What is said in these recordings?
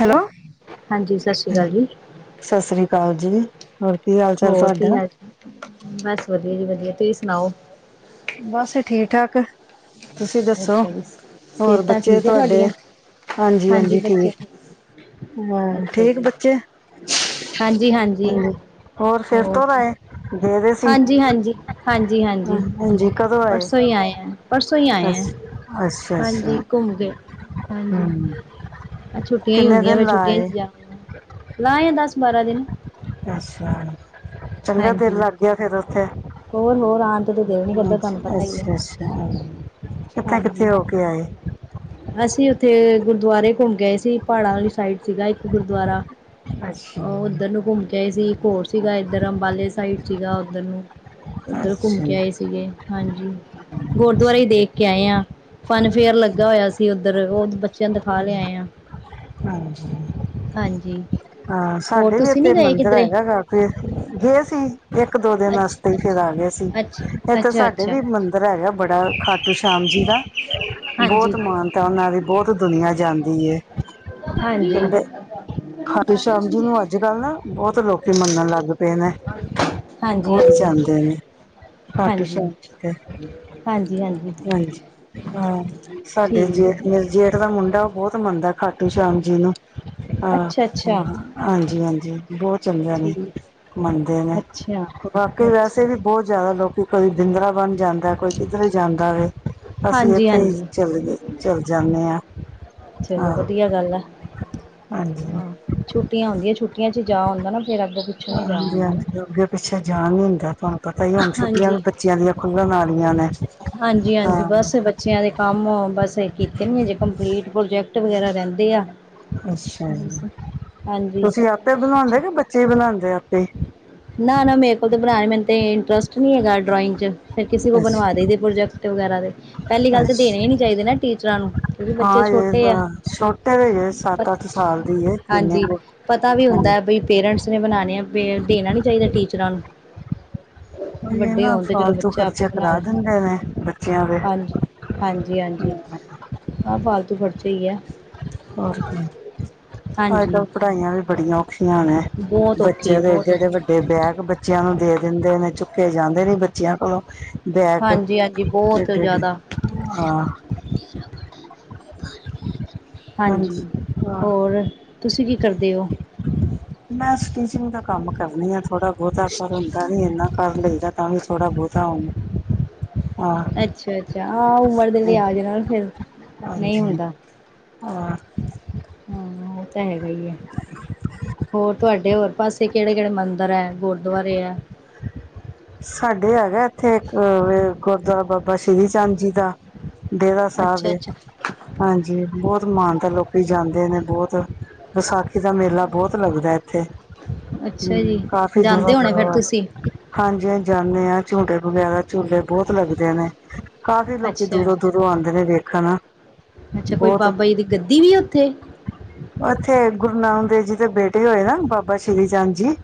Hello, ਹਾਂਜੀ ਸਤਿ ਸ਼੍ਰੀ ਅਕਾਲ ਜੀ ਸਤਿ ਸ੍ਰੀ ਅਕਾਲ ਜੀ। ਹੋਰ ਕੀ ਹਾਲ ਚਾਲ ਹੋਰ ਕੀ ਤੁਹਾਡਾ ਹਾਲ ਚਾਲ? ਬਸ ਵਧੀਆ ਜੀ ਵਧਿਆ, ਤੁਸੀਂ ਸੁਣਾਓ? ਬਸ ਠੀਕ-ਠਾਕ। ਤੁਸੀਂ ਦੱਸੋ? ਅੱਛਾ ਜੀ ਹੋਰ ਸਿਹਤਾਂ ਬੱਚੇ ਠੀਕ ਹੈ ਤੁਹਾਡੇ ਤੁਹਾਡੀਆਂ ਹਾਂਜੀ ਹਾਂਜੀ-ਹਾਂਜੀ ਬੱਚੇ ਠੀਕ। ਹ ਠੀਕ ਬੱਚੇ। ਹਾਂਜੀ-ਹਾਂਜੀ। ਹਾਂਜੀ ਫਿਰ ਹੋਰ, ਤੋਂ ਆਏ ਗਏ ਦੇ ਸੀ ਹਾਂਜੀ-ਹਾਂਜੀ-ਹਾਂਜੀ-ਹਾਂਜੀ। ਹਾਂਜੀ ਕਦੋਂ ਪਰਸੋਂ ਹੀ ਆਏ ਆ, ਪਰਸੋਂ ਹੀ ਆਏ ਆ। ਅੱਛਾ ਅੱਛਾ ਅੱਛਾ ਹਾਂਜੀ, ਘੁੰਮ ਦੇ ਹਾਂਜੀ। ਹਮ ਛੁੱਟੀਆਂ ਹੀ ਕਿੰਨੇ ਹੁੰਦੀਆਂ ਦਿਨ ਵੇ ਲਾ ਛੁੱਟੀਆਂ ਆਏ ਚੋ ਜਾ ਲਾ ਆਏ, ਦਸ ਬਾਰਾਂ ਦਿਨ। ਅੱਛਾ, ਚੰਗਾ ਦਿਲ ਹਾਂਜੀ ਲੱਗ ਗਿਆ ਫਿਰ ਉਥੇ। ਹੋਰ ਹੋਰ ਆਉਣ ਤੇ ਦਿਲ ਨੀ ਕਰਦਾ ਤੁਹਾਨੂੰ ਪਤਾ ਹੀ ਹੈ ਅੱਛਾ-ਅੱਛਾ, ਹਾਂਜੀ ਕਿੱਥੇ-ਕਿੱਥੇ ਹੋ ਕੇ ਆਏ? ਅਸੀਂ ਉੱਥੇ ਗੁਰਦੁਆਰੇ ਘੁੰਮ ਗਏ ਸੀ, ਪਹਾੜਾਂ ਵਾਲੀ ਸਾਈਡ ਚੇ ਸੀ ਗਾ ਇੱਕ ਗੁਰਦੁਆਰਾ। ਅੱਛਾ ਉਹ ਉਧਰ ਨੂੰ ਘੁੰਮ ਕੇ ਆਏ ਸੀ, ਇਕ ਹੋਰ ਸੀ ਏਦਰ ਅੰਬਾਲੇ ਸਾਈਡ ਸੀਗਾ ਉਧਰ ਨੂੰ। ਉੱਧਰ ਘੁੰਮ ਅੱਛਾ ਕੇ ਆਏ ਸੀਗੇ ਹਾਂਜੀ। ਗੁਰਦੁਆਰੇ ਹੀ ਦੇਖ ਕੇ ਆਏ ਆ ਫਨ ਫੇਅਰ ਲੱਗ ਅਸੀਂ ਉੱਧਰ ਉਹ ਬੱਚਿਆਂ ਨੂ ਦਿਖਾ ਲਿਆਏ ਆ। ਹਾਂਜੀ। ਹਾਂ ਹੋਰ ਸਾਡੇ ਵੀ ਤੁਸੀਂ ਨਹੀਂ ਇੱਥੇ ਗਏ ਮੰਦਿਰ ਕਿਧਰੇ ਹੈਗਾ, ਗਾ ਤੇ ਗਏ ਸੀ ਏਕ ਇੱਕ ਦੋ ਦਿਨ ਅਸਤੇ ਹੀ ਅੱਛਾ ਫਿਰ ਆ ਗਏ ਸੀ, ਅੱਛਾ ਇੱਥੇ ਅੱਛਾ ਸਾਡੇ ਅੱਛਾ ਵੀ ਮੰਦਿਰ ਹੈਗਾ ਬੜਾ ਖਾਟੂ ਸ਼ਾਮ ਜੀ ਦਾ। ਹਾਂਜੀ ਬੋਤ ਮਾਨਤਾ ਉਹਨਾ ਦੀ ਬੋਤ ਦੁਨੀਆਂ ਜਾਂਦੀ ਏ। ਹਾਂਜੀ। ਖਾਟੂ ਸ਼ਾਮ ਜੀ ਨੂੰ ਅੱਜ-ਕੱਲ ਨਾ, ਬਹੁਤ ਲੋਕੀ ਮੰਨਨ ਲੱਗ ਪਏ ਨੇ। ਹਾਂਜੀ ਬੋਤ ਹਾਂਜੀ ਜਾਂਦੇ ਨੇ। ਖਾਟੂ ਹਾਂਜੀ ਸ਼ਾਮ ਜੀ ਦੇ, ਹਾਂਜੀ ਹਾਂ ਸਾਡੇ ਜੀ। ਠੀਕ ਜੇਠ ਦਾ ਮੁੰਡਾ ਬਹੁਤ ਮੰਨਦਾ ਖਾਟੂ ਸ਼ਾਮ ਜੀ ਨੂ ਆਂ, ਅੱਛਾ ਅੱਛਾ ਹਾਂਜੀ ਹਾਂਜੀ ਬਹੁਤ ਚਂਗਾ ਨੀ ਠੀਕ ਮੰਨਦੇ ਨੇ, ਅੱਛਾ ਬਾਕੀ ਵੈਸੇ ਅੱਛਾ ਵੀ ਬਹੁਤ ਜ਼ਿਆਦਾ ਲੋਕੀ ਕਦੀ ਵਿਰਂਦਾ ਵਨ ਜਾਂਦਾ ਕੋਈ। ਕਿਦਰੇ ਜਾਂਦਾ ਵੇ, ਅਸੀਂ ਹਾਂਜੀ ਇੱਥੇ ਹੀ ਹਾਂਜੀ ਚੱਲੇ ਗਏ, ਚੱਲ ਜਾਂਨੇ ਆਂ। ਚਲੋ ਵਦਿਆ ਗੱਲ ਆ। ਹਾਂਜੀ ਹਾਂ ਛੁੱਟਿਆਂ ਹੁੰਦੀਆਂ ਛੁੱਟਿਆਂ ਚ ਜਾ ਹੁੰਦਾ ਨਾ ਫੇਰ ਅੱਗੋਂ ਪਿ ਹਾਂਜੀ ਹਾਂਜੀ ਅੱਗੇ ਪਿੱਛੇ ਜਾਣ ਨੀ ਹੁੰਦਾ, ਤੁਹਾਨੂੰ ਪਤਾ ਹੀ ਹੁਣ ਛੁਟੀਆਂ ਵੀ ਹਾਂਜੀ ਬੱਚਿਆਂ ਦੀਆਂ ਖੁੱਲਣ ਆਂ ਹਾਂਜੀ ਹਾਂਜੀ ਬਸ ਬੱਚਿਆਂ ਦੇ ਕੰਮਅ ਬਸ ਕੀਤੇ ਨੀ ਜੇ ਕੰਪਲੀਟ, ਪ੍ਰੋਜੈਕਟ ਵਗੈਰਾ ਰਹਿੰਦੇ ਆ। ਅੱਛਾ ਜੀ, ਬਸ ਹਾਂਜੀ ਤੁਸੀਂ ਆਪੇ ਬਣਾਉਂਦੇ ਕਿ ਬੱਚੇ ਬਣਾਉਂਦੇ ਆਪੇਈ। ਨਾ ਨਾ ਮੇਰੇ ਕੋਲ ਤਾਂ ਬਣਾ ਤੇ ਇੰਟਰਸਟ ਨੀ ਹੈਗਾ, ਡਰਇੰਗ ਚ ਫਿਰ ਕਿਸੇ ਕੋਲ ਬਣਵਾ ਅੱਛਾ ਦੇਈ ਪ੍ਰੋਜੈਕਟ। ਵਗੈਰਾ ਪਹਿਲੀ ਗੱਲ ਤਾਂ ਦੇਣੇ ਅੱਛਾ ਹੀ ਨੀ ਚਾਹੀ, ਟੀਚਰਾਂ ਨੂੰ, ਕਿਉਂਕਿ ਬੱਚੇ ਛੋਟੇ ਏ। ਹੱਟੇ [unintelligible] ਹਾਂਜੀ ਪਤਾ ਵੀ ਹਾਂਜੀ ਹੁੰਦਾਏ ਬਈ ਪੇਰੈਂਟਸ ਨੇ ਬਣਾਉਣੇ ਏ ਬੇ ਦੇਣਾ ਨੀ ਚਾਹੀਦਾ ਟੀਚਰਾਂ ਨੂੰ, ਉਹੀ ਹੈ ਵੱਡੇ ਨਾ ਹੋਣ ਤੇ ਚਲੋ ਫਾਲਤੂ ਬੱਚਾ ਆਪੇ ਖਰਚੇ ਬਣਾ ਕਰਾ ਲਏ। ਦਿੰਦੇ ਨੇ ਬੱਚਿਆਂ ਦੇ। ਹਾਂਜੀ ਹਾਂਜੀ ਹਾਂਜੀ ਹਾਂ ਫਾਲਤੂ ਖੜਚੇ ਹੀ ਏ। ਹੋਰ ਅੱਜ ਕੱਲ ਪੜ੍ਹਾਈਆਂ ਵੀ ਬੜੀਆਂ ਔਖੀਆਂ। ਨੇ। ਬਹੁਤ ਔਖੀ ਬੱਚਿਆਂ ਹੈ ਦੇ ਬਹੁਤ ਏਡੇ ਏਡੇ ਔਖੀ ਵੱਡੇ ਬੈਗ ਬੱਚਿਆਂ ਨੂੰ ਦੇ ਦੇੰਦੇ ਨੇ ਚੁੱਕੇ ਜਾਂਦੇ ਨੀ ਬੱਚਿਆਂ ਕੋਲੋਂ। ਬੈਗ ਹਾਂਜੀ ਹਾਂਜੀ ਬਹੁਤ ਏਡੇ ਏਡੇ ਜ਼ਿਆਦਾ ਆਂ। ਹਾਂਜੀ ਹਾਂ। ਹੋਰ ਤੁਸੀਂ ਕੀ ਕਰਦੇ ਔ। ਮੈ ਸਟੀਚਿੰਗ ਦਾ ਕੰਮ ਕਰਨੀ ਆ, ਥੋੜਾ ਬਹੁਤਾ ਪਰ ਹੁੰਦਾ ਨੀ ਏਨਾ ਕਰ ਲਈ ਤਾਂ ਕਮ ਥੋੜਾ ਬਹੁਤਾ ਹੁ ਅੱਛਾ ਅੱਛਾ ਆਹ ਉਮਰ ਦੇ ਲਿਆਜ ਨਾਲ ਫਿਰ ਨਹੀਂ ਹਾਂਜੀ ਹੁੰਦਾ। ਹਾਂ ਹਮ ਤਾਂ ਹੈਗਾ ਹੀ ਹੈ ਹੋਰ ਤੁਹਾਡੇ ਹੋਰ ਪਾਸੇ ਕਿਹੜੇ ਕਿਹੜੇ ਮੰਦਿਰ ਹੈ ਗੁਰਦੁਆਰੇ ਹੈ ਸਾਡੇ ਹੈਗਾ ਇੱਥੇ ਇੱਕ ਗੁਰਦੁਆਰਾ ਬਾਬਾ ਸ੍ਰੀ ਚੰਦ ਜੀ ਦਾ ਡੇਰਾ ਸਾਹਿਬ ਅੱਛਾ ਦੇ ਅੱਛਾ ਹਾਂਜੀ ਬਹੁਤ ਮਾਨ ਤਾਂ ਲੋਕੀ ਜਾਂਦੇ ਨੇ ਬਹੁਤ ਵਿਸਾਖੀ ਦਾ ਮੇਲਾ ਬਹੁਤ ਲੱਗਦਾ ਇੱਥੇ ਅੱਛਾ ਜੀ ਹਮ ਕਾਫੀ ਜਾਂਦੇ ਦੂਰੋਂ ਹੋਣੇ ਫਿਰ ਦੂਰੋਂ ਤੁਸੀਂ ਹਾਂਜੀਸੀ ਜਾਂਦੇ ਹਾਂ ਝੂਡੇ ਵਗੈਰਾ ਝੂਲੇ ਬਹੁਤ ਲੱਗਦੇ ਨੇ ਕਾਫ਼ੀ ਲੋਕੀ ਅੱਛਾ ਦੂਰੋਂ ਦੂਰੋਂ ਆਉਂਦੇ ਨੇ ਦੇੇਖਣ ਅੱਛਾ ਕੋਈ ਬਾਬਾ ਜੀ ਦੀ ਗੱਦੀ ਵੀ ਉੱਥੇ ਉੱਥੇ ਗੁਰੂ ਨਾਨਕ ਦੇਵ ਜੀ ਦੇ ਬੇਟੇ ਹੋਏ ਨਾ ਬਾਬਾ ਸ਼੍ਰੀ ਚੰਦ ਜੀ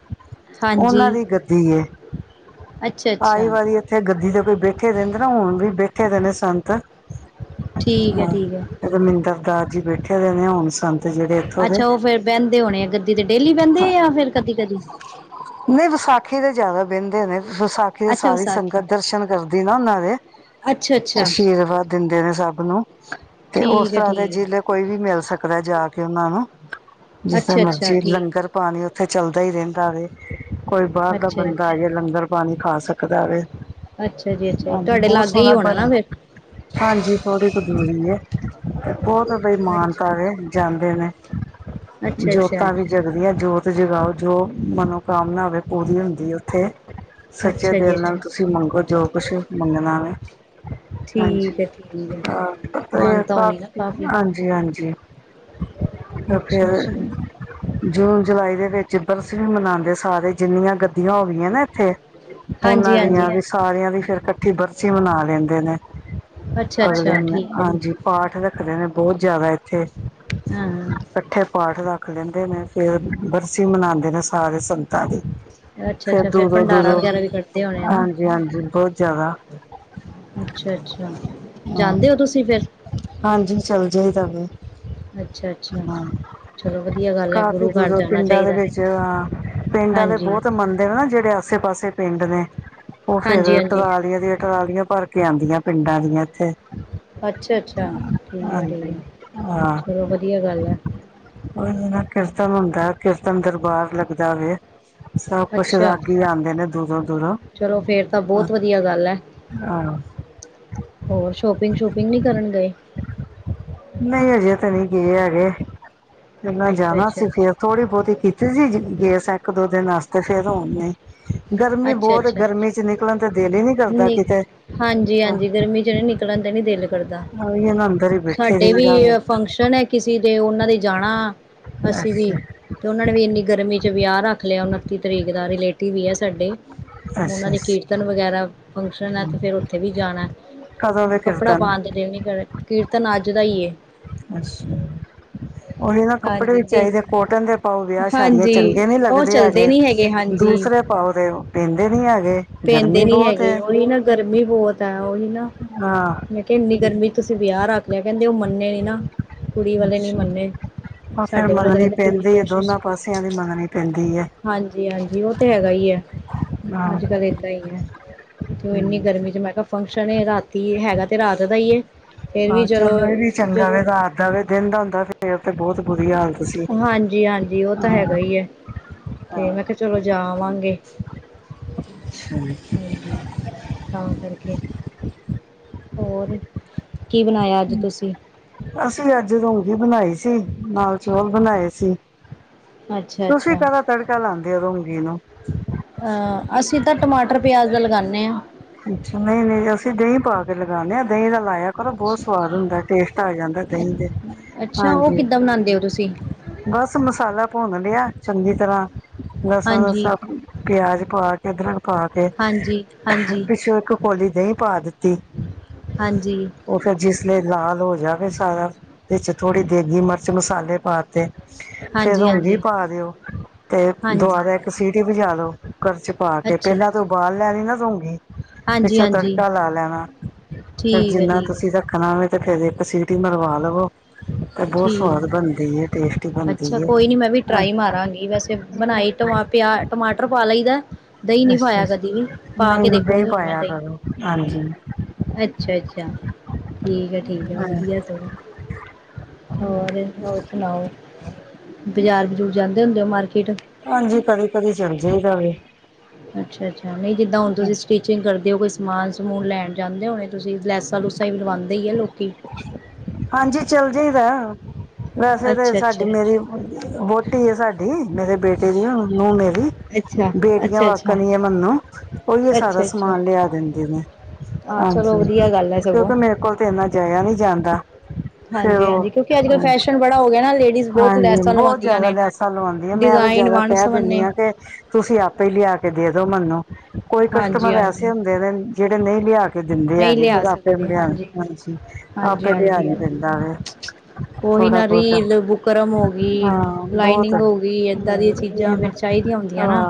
ਹਾਂਜੀ ਉਹਨਾਂ ਦੀ ਗੱਦੀ ਅੱਛਾ ਆਈ ਅੱਛਾ ਵਾਰੀ ਇੱਥੇ ਗੱਦੀ ਦਾ ਕੋਈ ਬੈਖੇ ਦਿੰਦੇ ਨਾ ਹੁਣ ਵੀ ਬੈਖੇ ਦੇ ਨੇ ਸੰਤ ਠੀਕ ਹੈ ਹਹ ਠੀਕ ਹੈ ਰਮਿੰਦਰ ਦਾਸ ਜੀ ਬੈਠੇ ਰ ਨੇ ਹੁਣ ਸਾਨੂੰ ਅੱਛਾ ਉਹ ਫੇਿਰ ਬਹਿੰਦੇ ਹੋਣੇ ਆ ਗੱਦੀ ਤੇ ਡੇਲੀ ਬਹਿੰਦੇ ਹਾਂ ਆ ਜਾਂ ਫਿਰ ਕਦੀ ਕਦੀ ਨਹੀਂ ਵਿਸਾਖੀ ਤੇ ਜ਼ਿਆਦਾ ਬਹਿੰਦੇ ਨੇ ਵਿਸਾਖੀ ਦੇ ਅੱਛਾ ਸਾਰੀ ਵਿਸਾਖੀ ਸੰਗਤ ਦਰਸ਼ਨ ਕਰਦੀ ਨਾ ਉਹਨਾਂ ਦੇ ਅੱਛਾ ਅੱਛਾ ਆਸ਼ੀਰਵਾਦ ਦਿੰਦੇ ਨੇ ਸਭ ਨੂੰ ਤੇ ਉਸ ਠੀਕ ਹੈ ਤਰ੍ਹਾਂ ਤੇ ਠੀਕ ਹੈ ਜਿਹਲੇ ਕੋਈ ਵੀ ਮਿਲ ਸਕਦਾ ਜਾ ਕੇ ਉਹਨਾਂ ਨੂੰ ਜਿੱਥੇ ਅੱਛਾ ਅੱਛਾ ਮਰਜੀੀ ਠੀਕ ਲੰਗਰ ਪਾਣੀ ਉੱਥੇ ਚੱਲਦਾ ਹੀ ਰਹਿੰਦਾ ਵ ਕੋਈ ਬਾਹਰ ਦਾ ਅੱਛਾ ਜੀ ਬੰਦਾ ਆ ਜਾੇ ਲੰਗਰ ਪਾਣੀ ਖਾ ਸਕਦਾਵੇ ਅੱਛਾ ਜੀ ਅੱਛਾ ਜੀ ਹਾਂਜੀ ਤੁਹਾਡੇ ਬਹੁਤ ਲਾਗੇ ਹੀ ਸੋਹਣਾ ਹੋਣਾ ਭਰ ਨਾ ਫਿਰ ਹਾਂਜੀ ਥੋੜੀ ਕੁ ਜੂੜਰੀ ਹੈ ਬਹੁਤ ਬਈ ਅੱਛਾ ਮਾਨਤਾ ਦੇ ਜਾਂਦੇ ਨੇ ਅੱਛਾ ਅੱਛਾ ਜੋਤਾਂ ਵੀ ਜਗਦੀਆਂ ਜੋਤ ਜਗਾਓ ਜੋ ਮਨੋਕਾਮਨਾ ਵਖ ਪੂਰੀ ਹੁੰਦੀ ਉੱਥੇ ਸੱਚੇ ਅੱਛਾ ਜੀ ਦਿਲ ਨਾਲ ਅੱਛਾ ਤੁਸੀਂ ਮੰਗੋ ਜੋ ਕੁਛ ਮੰਗਣਾ ਵ ਠੀਕ ਹਾਂਜੀ ਹੈ ਠੀਕ ਹੈ ਪਤਾ ਮਾਨਤਾ ਕਾਫ ਹੋਣੀ ਨਾ ਕਾਫ਼ੀ ਹਾਂਜੀ ਹਾਂਜੀ ਕ ਅੱਛਾ ਫਿਰ ਅੱਛਾ ਜੂਨ ਜੁਲਾਈ ਦੇ ਵਿੱਚ ਬਰਸ ਵੀ ਮਨਾਉਂਦੇ ਸਾਰੇ ਜਿੰਨੀਆਂ ਗੱਦੀਆਂ ਹੋ ਗਈਆਂ ਨਾ ਇੱਥੇ ਹਾਂਜੀ ਉਹਨਾਂ ਦੀਆਂ ਹਾਂਜੀ ਵੀ, ਸਾਰਿਆਂ ਦੀ ਫਿਰ, ਇਕੱਠੀ ਬਰਸੀ ਮਨਾ ਲੇਂਦੇ ਨੇ। ਅਗਲੇ, ਅੱਛਾ-ਅੱਛਾ ਠੀਕ ਹੈ ਹਾਂਜੀ। ਪਾਠ ਦਾ ਦੇ ਨੇ, ਬਹੁਤ ਜ਼ਿਆਦਾ ਇੱਥੇ ਹਾਂ ਇਕੱਠੇ ਪਾਠ ਦਾ ਰੱਖ ਲੈਂਦੇ ਨੇ, ਫਿਰ 'ਬਰਸੀ'ਮਨਾਉਂਦੇ ਨੇ ਸਾਰੇ ਸੰਤਾਂ ਦੀ। ਫੇਰ, ਅੱਛਾ-ਅੱਛਾ ਦੂਰੋ- ਭੰਡਾਰਾ ਦੂਰੋ, ਵਗੈਰਾ ਵੀ ਕੱਢਦੇ ਹੋਣੇ ਨਾ ਹਾਂਜੀ- ਹਾਂਜੀ ਬਹੁਤ ਜ਼ਿਆਦਾ। ਅੱਛਾ-ਅੱਛਾ ਜਾਂਦੇ ਹੋ ਤੁਸੀਂ ਫਿਰ ਹਾਂਜੀ। ਚੱਲ ਜਾਈ ਦਾਵੇ ਅੱਛਾ-ਅੱਛਾ ਹ ਚਲੋ ਵਧੀਆ ਗੱਲ ਹੈ ਕਾਫੀ ਗੁਰੂ ਘਰ ਦੂਰ ਜਾਣਾ ਪਿੰਡਾਂ ਦੇ ਚਾਹੀਦਾ ਵਿੱਚ ਹ ਪਿੰਡ ਵਾਲੇ ਹਾਂਜੀ ਬਹੁਤ ਮੰਨਦੇਨ ਨਾ, ਜਿਹੜੇ ਆਸੇ ਪਾਸੇ ਪਿੰਡ ਨੇ। ਉਹ ਫੇਰ, ਹਾਂਜੀ-ਹਾਂਜੀ ਟਰਾਲੀਆਂ ਦੀਆਂ ਟਰਾਲੀਆਂ, ਭਰਕੇ ਆਂਦੀਆਂ ਪਿੰਡਾਂ ਦੀਆਂ ਇੱਥੇ। ਅੱਛਾ-ਅੱਛਾ ਠੀਕ ਹੈ ਠੀਕ ਹਾਂਜੀ। ਹੈ ਹਾਂ। ਚਲੋ ਵਧੀਆ ਗੱਲ ਹੈ ਉਹ ਨਾ ਕੀਰਤਨ ਹੁੰਦਾ, ਕੀਰਤਨ ਦਰਬਾਰ ਲੱਗਦਾ ਵੇ। ਸਭ ਕੁਛ ਅੱਛਾ ਰਾਗੀ ਆਉਦੇ ਨੇ, ਦੂਰੋਂ-ਦੂਰੋਂ। ਚਲੋ ਫੇਰ ਤਾਂ ਬਹੁਤ ਵਧੀਆ ਗੱਲ ਹੈ ਆਹ। ਹੋਰ, ਸ਼ੋਪਿੰਗ ਸ਼ੂਪਿੰਗ ਨਹੀ ਕਰਨ ਗਏ? ਨਹੀਂ, ਹਜੇ ਤਾਂ, ਨਹੀਂ ਗੇ ਹੈਗੇ। ਪਰ, ਮੈਂ ਜਾਣਾ ਅੱਛਾ-ਅੱਛਾ ਸੀ ਫੇਰ ਥੋੜੀ ਬਹੁਤੀ ਕੀਤੀ ਸੀ, ਗੇਸ ਇੱਕ, ਦੋ ਦਿਨ ਵਾਸਤੇ ਫੇਰ ਆੇ ਗਰਮੀ ਬਹੁਤ ਏ, ਅੱਛਾ-ਅੱਛਾ ਗਰਮੀ'ਚ ਨਿਕਲਣ ਤੇ ਦਿਲ ਹੀ ਨੀ ਕਰਦਾ ਕਿਤੇ। ਹਾਂਜੀ- ਹਾਂਜੀ, ਗਰਮੀ'ਚ ਨ ਨਿਕਲਣਂਦਾ ਨੀ ਦਿਲ ਕ ਉਹੀ ਨਾ ਅੰਦਰ ਹੀ ਬੈਠੇ ਸਾਡੇ ਰਹੀ ਵੀ ਦਾ ਵੇ ਫੰਕਸ਼ਨ ਹੈ ਕਿਸੇ ਦੇ, ਉਹਨਾਂ ਦੇ ਜਾਣਾ ਅਸੀਂ ਵੀ, ਅੱਛਾ ਤੇ ਉਹਨਾਂ ਨੇ ਵੀ, ਇੰਨੀ ਗਰਮੀ'ਚ ਵਿਆਹ ਰੱਖ ਲਿਆ ਉਨੱਤੀ ਤਰੀਕ ਦਾ। ਰਿਲੇਟਿਵ ਵੀ ਹੈ ਸਾਡੇ ਉਹਨਾਂ ਅੱਛਾ ਦੇ, ਅੱਛਾ ਕੀਰਤਨ ਵਗੈਰਾ ਫੰਕਸ਼ਨ ਹੈ, ਅਤੇ ਫਿਰ ਉੱਥੇ ਵੀ ਜਾਣਾ। ਕਦੋਂ ਵੇ ਕੱਪੜਾ ਕੀਰਤਨ ਪਾਣ ਦੀ, ਦੇਰ ਨੀ ਫਿਰ, ਕੀਰਤਨ ਆਜ ਦਾ ਹੀ, ਏ। ਅੱਛਾ ਉਹੀ ਨਾ, ਕੱਪੜੇ ਵੀ ਚਾਹੀਦੇ ਕੋਟਨ ਦੇ ਪਾਓ, ਵਿਆਹ ਸ਼ਾਦੀਆ ਹਾਂਜੀ ਚੰਗੇ ਨਹੀਂ ਉਹ ਲੱਗਦੇ ਚੱਲਦੇ ਹੈਗੇ। ਨੀ ਹਾਂਜੀ ਦੂਸਰੇ ਪਾਓ ਦੇ ਦੇਂਦੇ ਨੀ ਹੈਗੇ, ਗਰਮੀ ਬਹੁਤ ਏ। ਹੀ ਨਾ, ਗਰਮੀ ਬਹੁਤ ਹੈ, ਉਹੀ ਨਾ। ਹਾਂ ''ਮੈਂ ਕਿਹਾ ਇੰਨੀ ਗਰਮੀ'ਚ ਤੁਸੀਂ ਵਿਆਹ ਰੱਖ ਲਿਆ, ਕਹਿੰਦੇ ਉਹ ਮੰਨੇ ਨੀ, ਨਾ। ਕੁੜੀ ਵਾਲੇ ਨਹੀਂ ਮੰਨੇ। ਹੁਣ, ਫਿਰ ਸਾਡੇ ਵੱਲੋਂ ਤਾਂ ਮੰਨਣੀ ਕਹਿੰਦੇ ਪੂਰੀ ਪੈਂਦੀ ਹੈ, ਕੋਸ਼ਿਸ਼ ਦੋਨਾਂ ਸੀ ਪਾਸਿਆਂ ਦੀ ਮੰਨਣੀ ਪੇਂਦੀ ਏ। ਹਾਂਜੀ- ਹਾਂਜੀ। ਉਹ ਤੇ, ਹੈਗਾ ਹੀ ਹੈ। ਹਾਂ। ਇਦਾਂ ਹੀ ਆ ਤੇ ਇੰਨੀ ਹੂੰ ਗਰਮੀ'ਚ ''ਮੈਂ ਕਿਹਾ ਫੰਕਸ਼ਨ ਏ, ਰਾਤੀ ਹੈਗਾ ਤੇ ਰਾਤ ਦਾ ਹੀ। ਫੇਰ ਵੀ ਹਾਂ। ਚਲੋ, ਇਹ ਵੀ ਚੰਗਾ ਜਦੋਂ ਵੇ, ਰਾਤ ਦਾ ਵੇ ਦਿਨ ਦਾ ਤੇ, ਹੁੰਦਾ ਫਿਰ ਉਥੇ ਬਹੁਤ ਬੁਰੀ ਹਾਲਤ ਸੀ। ਹਾਂਜੀ-ਹਾਂਜੀ, ਓਹ ਤੇ ਹੈਗਾ ਹਾਂ ਈ, ਏ। ਤੇ, ਹਾਂ ਮੈ ਕਿਹਾ, ਚਲੋ ਜਾਵਾਂਗੇ। ਹੂੰ [unintelligible] ਤਾਂ ਕਰਕੇ। ਹੋਰ ਕੀ ਬਣਾਇਆ ਅੱਜ ਤੁਸੀਂ ਅਸੀਂ, ਅੱਜ ਰੋਂਗੀ ਬਨਾਈ ਸੀ। ਸੀ ਨਾਲ, ਚੌਲ ਬਣਾਏ ਸੀ। ਅੱਛਾ ਤੁਸੀਂ ਅੱਛਾ ਕਾਦਾ, ਤ੍ੜਕਾ ਲਾਂਦੇ ਹੋ ਰੋਂਗੀ ਨੂੰ! ਅ ਅਸੀਂ ਤਾਂ, ਟਮਾਟਰ, ਪਿਆਜ ਦਾ ਲਗਾਂਨੇ ਆ। ਨਹੀਂ, ਨਹੀਂ, ਅਸੀਂ ਦਹੀਂ ਪਾਕੇ ਲਗਾਂਨੇ ਆ। ਦਹੀਂ ਲਗਾਯਾ ਕਹਿੰਦੇ ਬਹੁਤ ਸਵਾਦ ਹੁੰਦਾ, ਟੇਸਟ ਆ ਜਾਦਾਂ ਏ ਅੱਛਾ ਉਹ ਦਹੀਂ ਕਿੱਦਾਂ ਬਣਾਉਂਦੇ ਹੋ ਤੁਸੀਂ ਬਸ, ਮਸਾਲਾ ਭੁੰਨ ਲਿਆ ਚੰਗੀ ਤਰ੍ਹਾਂ। ਲਸਣ, ਹਾਂਜੀ ਲੁਸਾਂ, ਪਿਆਜ ਪਾਕੇ, ਅਦਰਕ ਪਾਕੇ ਹਾਂਜੀ ਹਾਂਜੀ ਇੱਕ ਕੌਲੀ ਦਹੀਂ ਪਾ ਦਿੱਤੀ, ਹਾਂਜੀ ਓ ਫਿਰ ਚੀਜਲੇਸ ਲਾਲ ਹੋ ਗਿਆ ਤੇ ਸਾਰਾ, ਵਿੱਚ ਥੋੜੀ ਦੇਗੀ ਮਰਚ, ਮਸਾਲੇ ਪਾਤੇ ਫੇਰ ਹਾਂਜੀ ਰੋਂਗੀ ਹਾਂਜੀ ਪਾ ਦਿਓ, ਤੇ ਹਾਂਜੀ ਦੁਬਾਰਾ ਇੱਕ ਸੀਟੀ ਵਜਾ ਦੋ। ਕੁੱਕਰ'ਚ ਪਾਕੇ ਅੱਛਾ ਪਹਿਲਾਂ ਤੇ ਉਬਾਲ ਲੈਣੀ ਨਾ ਰੋਂਗੀ। ਫਿਰ, ਹਾਂਜੀ ਹਾਂਜੀ ਛਿਲਕਾ-ਛੁਲਟਾ ਲਾ ਲੈਣਾ, ਫਿਰ ਠੀਕ ਹੈ ਜਿੰਨਾ ਠੀਕ ਹੈ ਤੁਸੀ ਰੱਖਣਾ ਵੇ ਤੇ, ਫਿਰ ਇੱਕ ਸੀਟੀ ਮਰਵਾ ਲਵੋ ਤੇ ਬਹੁਤ ਸਵਾਦ ਠੀਕ, ਬਣਦੀ ਹੈ ਟੇਸਟੀ ਬਣਦੀ ਅੱਛਾ ਹੈ ਕੋਈ ਨੀ ਮੈਂ ਵੀ ਹਾਂ ਟਰਾਈ ਮਾਰਾਂਗੀ ਵੈਸੇ ਬਣਾਈ ਟਮਾ ਪਿਆ ਟਮਾਟਰ ਪਾ ਲੀ। ਦਈ ਨਹੀਂ ਅੱਛਾ ਪਾਇਆ ਕਦੀ ਵੀ ਅੱਛਾ ਪਾ ਨਹੀਂ ਕੇ ਨਹੀਂ ਦਹੀਂ ਦੇਖੋਗੀ ਹੁਣ ਮੈਂ ਪਾਇਆ ਦਈ। ਕਰੋ ਹਾਂਜੀ ਅੱਛਾ ਅੱਛਾ, ਠੀਕ ਆ ਠੀਕ ਆ ਹਾਂ ਵਧੀਆ ਸਗੋਂ। ਹੋਰ ਹੋਰ ਸੁਣਾਓ ਬਜ਼ਾਰ ਬਜ਼ੂਰ ਜਾਂਦੇ ਹੁੰਦੇ ਓ ਮਾਰਕਿਟ। ਹਾਂਜੀ, ਕਦੇ ਕਦੇ ਚੱਲ ਜਾਈਦਾ ਵੇ। ਅੱਛਾ ਅੱਛਾ, ਨਹੀਂ ਜਿੱਦਾਂ ਹੁਣ ਤੁਸੀਂ ਸਟੀਚਿੰਗ ਕਰ ਜਦੋਂ ਕੋਈ ਸਮਾਨ ਸਮੂਨ ਲੈਣ ਜਾਂਦੇ ਹੋਣੇ ਤੁਸੀਂ ਲੈਸਾਂ ਲੁਸਾਂ ਟਾਈਮ ਲਵਾਂਦੇ ਹੀ ਆ ਲੋਕੀ। ਹਾਂਜੀ ਚੱਲ ਜਾਈਦਾ। ਵੈਸੇ ਤੇ ਅੱਛਾ ਸਾਡੀ ਅੱਛਾ ਮੇਰੀ ਵਹੁਟੀ ਆ ਸਾਡੀ ਮੇਰੇ ਬੇ ਅੱਛਾ [unintelligible] ਅੱਛਾ ਬੇਟੀਆਂ ਅੱਛਾ [unintelligible] ਮੈਨੂੰ ਓਹਿਓ ਸਾਰਾ ਸਮਾਨ ਲਿਆ ਦਿੰਦੀਆਂ ਨੇ। ਹਾਂ, ਚਲੋ ਵਧੀਆ ਗੱਲ ਹੈ ਸਗੋਂ ਕਿਉਂਕਿ ਮੇਰੇ ਕੋਲ ਰਿਹਾ ਨਹੀਂ ਜਾਂਦਾ। ਫਿਰ ਹਾਂਜੀ ਉਹ ਹਾਂਜੀ, ਕਿਉਂਕਿ ਅੱਜਕੱਲ ਹਾਂਜੀ ਫੈਸ਼ਨ ਬੜਾ ਹੋ ਗਿਆ ਨਾ ਲੇ ਹਾਂਜੀ, ਬਹੁਤ ਜਿਆਦਾ ਲੈਸਾਂ ਲਵਾਂਦੀਆਂ ਮੈਂ ਤਾਂ ਡਿਜ਼ਾਇਨ ਜਿਆਦਾ ਵੰਨ ਕਹਿ ਦੀਨੀ ਸਵੰਨੇ ਆ ਕਿ ਤੁਸੀਂ ਆਪੇ ਲਿਆ ਦੇ ਦੋ ਮੈਨੂੰ ਕੋਈ ਹਾਂਜੀ ਕਸਟਮਰ ਐਸੇ ਹਾਂਜੀ ਹੁੰਦੇ ਨੇ ਜਿਹੜੇ ਨਹੀਂ ਲਿਆ ਕੇ ਕੇ ਦਿੰਦੇ ਨਹੀਂ ਹੈਗੇ। ਲਿਆ ਫਿਰ ਆਪੇ ਸਕਦੇ ਲਿਆ ਹਾਂਜੀ ਹਾਂਜੀ ਆਪੇ ਹਾਂਜੀ ਲਿਆਣਾ ਪੈਂਦਾ ਵੈ। ਉਹੀ ਨਾ ਰੀਲ, ਬੁੱਕ ਬੁਕਰਮ ਹੋ ਗਈ, ਹਾਂ ਬਹੁਤ ਲਾਈਨਿੰੰਗ ਹੋ ਗਈ ਇਦਾਂ ਦੀਆਂ ਚੀਜ਼ਾਂ ਫਿਰ ਚਾਹੀਦੀਆਂ ਹੁੰਦੀਆਂ ਨਾ। ਹਾਂ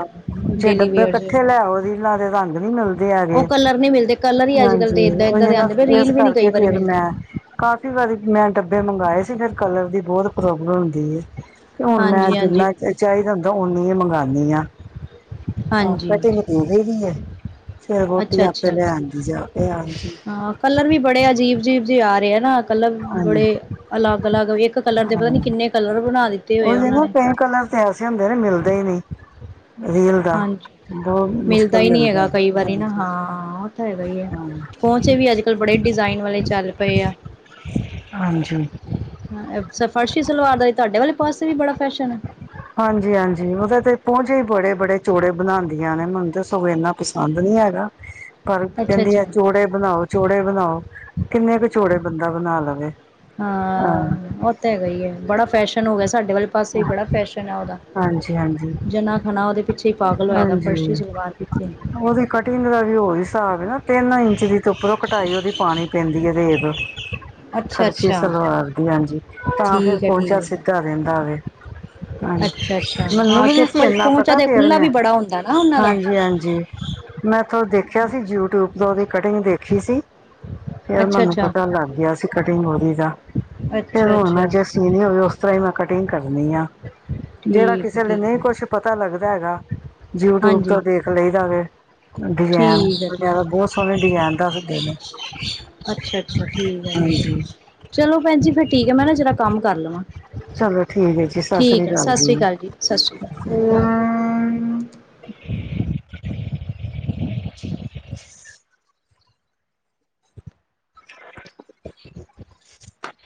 ਜੇ ਡੇਲੀ ਡੱਬੇ ਵੇਅਰ ਚ ਕੱਠੇ ਲੈ ਆਓ ਰੀਲਾਂ ਦੇ ਰੰਗ ਨੀ ਮਿਲਦੇ। ਉਹ ਹੈਗੇ ਕਲਰ ਨਹੀਂ ਮਿਲਦੇ ਕਲਰ ਹੀ ਅੱਜ ਕੱਲ੍ਹ ਦੇ ਹਾਂਜੀ ਏਦਾਂ ਓਹੀ ਏਦਾਂ ਦੇ ਨਾ ਆਉਂਦੇ ਪ ਇਸ ਰੀਲ ਵੀ ਨਹੀਂ ਕਈ ਕਰਕੇ ਵਾਰੀ ਫਿਰ ਮਿਲਦੀ ਮੈਂ ਕਾਫੀ [unintelligible] ਮੈਂ ਡੱਬੇ ਮੰਗਾਏ ਸੀ ਫਿਰ ਕਲਰ ਦੀ ਬਹੁਤ ਪ੍ਰੋਬਲਮ ਹੁੰਦੀ ਐ। ਹੁਣ ਮੈਂ ਹਾਂਜੀ ਹਾਂਜੀ ਜਿੰਨਾ ਚਾਹੀਦਾ ਹੁੰਦਾ ਓਨੀ ਹੀ ਮੰਗਾਨੀ ਆ। ਆਹ ਹਾਂਜੀ [unintelligible] ਅੱਛਾ ਅੱਛਾ, ਜਾ ਕੇ ਹਾਂਜੀ ਹਾਂ ਕਲਰ ਵੀ ਬੜੇ ਅਜੀਬ ਅਜੀਬ ਜੇ ਆ ਰਹੇ ਆ। ਅਲੱਗ ਹਾਂਜੀ ਬੜੇ ਅਲੱਗ ਅਲੱਗ ਇੱਕ ਕਲਰ ਦੇ ਪਤਾ ਨੀ ਹਾਂ ਕਿੰਨੇ ਕਲਰ ਬਣਾ ਦਿੱਤੇ ਹੋਏ ਉਹੀ ਉਹਨਾਂ ਨਾ ਨੇ ਕਈ ਕਲਰ ਐਸੇ ਹੁੰਦੇ ਨੇ ਮਿਲਦੇ ਹੀ ਨਹੀਂ। ਰੀਲ ਦਾ ਹਾਂਜੀ ਬਹੁਤ ਮਿਲਦਾ ਮੁਸ਼ਕਿਲ ਹੀ ਨਹੀਂ ਹੈਗਾ ਕਈ ਵਾਰੀ ਨਾ ਹਾਂਜੀ ਹਾਂ ਉਹ ਤਾਂ ਹੈਗਾ ਹੀ ਆ ਹਾਂ ਪਹੁੰਚੇ ਵੀ ਅੱਜ ਕੱਲ ਬੜੇ ਡਿਜ਼ਾਇਨ ਵਾਲੇ ਚੱਲ ਪਏ ਆ। ਹਾਂਜੀ ਹਾਂ, ਫਰਸ਼ੀ ਸਲਵਾਰ ਦਾ ਤੁਹਾਡੇ ਵਾਲੇ ਪਾਸੇ ਵੀ ਬੜਾ ਫੈਸ਼ਨ ਐ। ਹਾਂਜੀ ਹਾਂਜੀ, ਉਹਦੇ ਤੇ ਪਹੁੰਚੇ ਈ ਬੜੇ ਬੜੇ ਚੋੜੇ ਬਣਾਂਦੀਆਂ ਨੇ ਮੈਨੂੰ ਤੇ ਸਗੋਂ ਐਨਾ ਪਸੰਦ ਨਹੀਂ ਹੈਗਾ। ਪਰ ਅੱਛਾ ਕਹਿੰਦੀ ਅੱਛਾ ਆ ਚੋੜੇ ਬਣਾਓ ਚੋੜੇ ਬਣਾਓ ਕਿੰਨੇ ਕੁ ਚੋੜੇ ਬੰਦਾ ਬਣਾ ਲਵੇ। ਹਾਂ, ਉਹ ਤਾਂ ਹੈਗਾ ਹੀ ਐ ਬੜਾ ਫੈਸ਼ਨ ਹੋ ਗਿਆ ਸਾਡੇ ਵਾਲੇ ਪਾਸੇ ਬੜਾ ਫੈਸ਼ਨ ਐ ਉਹਦਾ ਹਾਂਜੀ ਹਾਂਜੀ ਜਣਾ ਖਣਾ ਉਹਦੇ ਪਿੱਛੇ ਈ ਪਾਗਲ ਹੋਇਆ ਤਾਂ ਫਰਸ਼ੀ ਹਾਂਜੀ ਸਲਵਾਰ ਪਿੱਛੇ। ਉਹਦੀ ਕਟਿੰਗ ਦਾ ਵੀ ਓਹੀ ਸਾਬ ਐ ਨਾ ਤਿੰਨ ਇੰਚ ਦੀ ਤੇ ਉੱਪਰੋਂ ਕਟਾਈ ਉਹਦੀ ਪਾਣੀ ਪੈਂਦੀ ਐ ਦੇਖਲੋ। ਅੱਛਾ ਫਰਸ਼ੀ ਅੱਛਾ ਸਲਵਾਰ ਦੀ ਹਾਂਜੀ ਤਾਂ ਫਿਰ ਠੀਕ ਹੈ ਪਹੁੰਚਾ ਠੀਕ ਹੈ ਸਿੱਧਾ ਰਹਿੰਦਾ ਵੇ। ਹਾਂਜੀ, ਅੱਛਾ-ਅੱਛਾ ਮੈਨੂੰ ਹਾਂ ਵੀ ਨੀ ਸੀ ਚੋਪਰ ਐਨਾ ਪਹੁੰਚਾ ਪਤਾ ਤੇ ਫਿਰ ਖੁੱਲਾ ਮੈਂ ਵੀ ਬੜਾ ਹੁੰਦਾ ਨਾ ਉਹਨਾਂ ਦਾ ਹਾਂਜੀ ਹਾਂਜੀ। ਮੈਂ ਉਥੋਂ ਦੇਖਿਆ ਸੀ ਯੂਟਿਊਬ ਤੋਂ ਉਹਦੀ ਕਟਿੰਗ ਦੇਖੀ ਸੀ। ਅੱਛਾ ਅੱਛਾ, ਲਾਗਿਆ ਸੀ ਕਟਿੰਗ ਉਹਦੀ ਦਾ ਫੇਰ ਹੁਣ ਮੈਂ ਅੱਛਾ-ਅੱਛਾ ਜੇ ਸੀਣੀ ਹੋਵੇ ਉਸ ਤਰ੍ਹਾਂ ਹੀ ਮੈਂ ਕਟਿੰਗ ਕਰਨੀ ਆ ਜਿਹੜਾ ਠੀਕ ਹੈ ਕਿਸੇ ਲਈ ਨਹੀਂ ਠੀਕ ਕੁਛ ਪਤਾ ਲੱਗ ਦਾ ਹੈਗਾ ਯੂਟਿਊਬ ਹਾਂਜੀ ਤੋਂ ਦੇਖ ਲਈ ਦਾ ਫਿਰ। ਡਿਜ਼ਾਇਨ ਠੀਕ ਹੈ ਜ਼ਿਆਦਾ ਠੀਕ ਬਹੁਤ ਸੋਹਣੇ ਡਿਜ਼ਾਇਨ ਦੱਸਦੇ ਨੇ। ਅੱਛਾ ਠੀਕ ਆ ਠੀਕ ਹਾਂਜੀ ਆ ਚਲੋ ਭੈਣ ਜੀ ਫੇਰ ਠੀਕ ਆ ਮੈਂ ਨਾ ਜ਼ਰਾ ਕੰਮ ਕਰ ਲਵਾਂ। ਚਲੋ ਠੀਕ ਹੈ ਜੀ ਸਤਿ ਠੀਕ ਸ੍ਰੀ ਐ ਸਤਿ ਸ੍ਰੀ ਅਕਾਲ ਜੀ ਸਤਿ ਸ੍ਰੀ ਅਕਾਲ ਜੀ। [inaudible] [unintelligible]